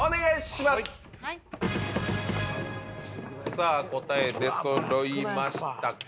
さぁ答え出そろいましたか。